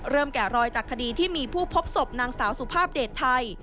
แกะรอยจากคดีที่มีผู้พบศพนางสาวสุภาพเดชไทย